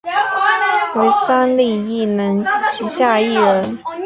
为三立艺能旗下艺人。